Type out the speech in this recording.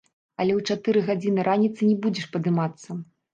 Але ў чатыры гадзіны раніцы не будзеш падымацца!